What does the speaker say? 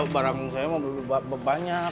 barang saya mau banyak